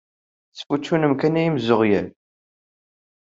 Tesfuččunem kan ay imzeɣyal.